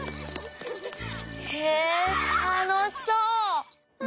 へえたのしそう！